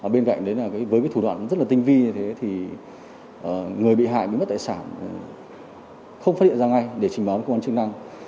bên cạnh với thủ đoạn rất tinh vi người bị hại bị mất tài sản không phát hiện ra ngay để trình báo với cơ quan chức năng